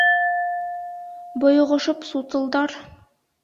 Бойоғошоп сутылдар.